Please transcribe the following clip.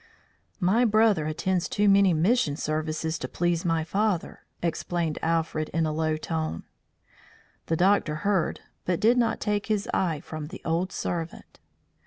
"My brother attends too many mission services to please my father," explained Alfred in a low tone. The doctor heard, but did not take his eye from the old servant.